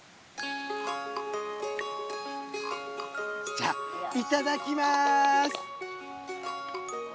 じゃあいただきます。